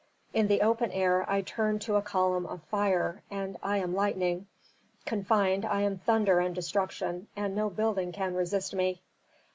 "In the open air I turn to a column of fire, and I am lightning. Confined I am thunder and destruction, and no building can resist me.